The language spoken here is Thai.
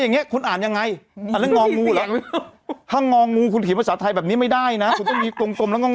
อย่างนี้คุณอ่านยังไงอันนั้นงองูเหรอถ้างองูคุณเขียนภาษาไทยแบบนี้ไม่ได้นะคุณต้องมีกลมแล้วงอ